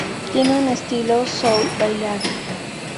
Tiene un estilo soul bailable.